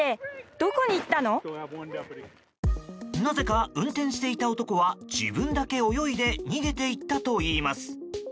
なぜか、運転していた男は自分だけ泳いで逃げていったといいます。